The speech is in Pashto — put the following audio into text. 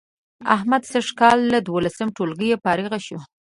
احمد سږ کال له دولسم ټولگي فارغ شو